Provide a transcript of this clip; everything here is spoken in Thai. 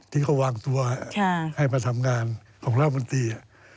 ที่เขาวางตัวให้มาทำงานของรัฐมนตรี